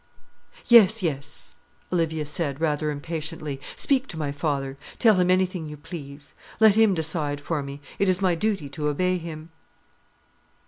"Yes, yes," Olivia said, rather impatiently; "speak to my father; tell him anything you please. Let him decide for me; it is my duty to obey him."